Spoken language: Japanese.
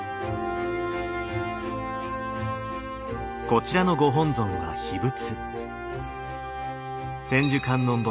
こちらのご本尊は秘仏。